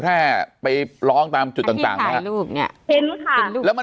แต่คุณยายจะขอย้ายโรงเรียน